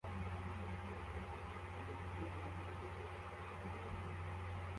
Akana k'agahungu kageze ku gikinisho cya basketball